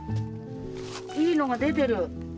いいのが出てる。